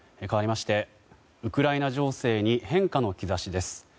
かわりましてウクライナ情勢に変化の兆しです。